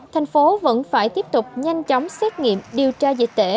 thành phố vẫn phải tiếp tục nhanh chóng xét nghiệm điều tra dịch tễ